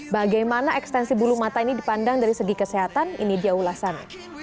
bagaimana ekstensi bulu mata ini dipandang dari segi kesehatan ini dia ulasannya